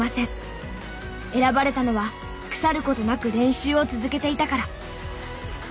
選ばれたのは腐る事なく練習を続けていたから。